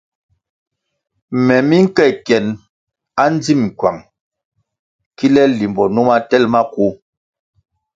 Me mi nke kyenʼ andzim kywang kile limbo numa tel maku.